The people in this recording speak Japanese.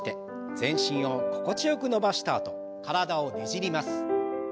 全身を心地よく伸ばしたあと体をねじります。